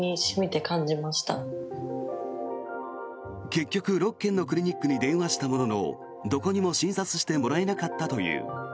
結局、６軒のクリニックに電話したもののどこにも診察してもらえなかったという。